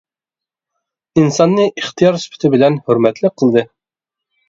ئىنساننى ئىختىيار سۈپىتى بىلەن ھۆرمەتلىك قىلدى.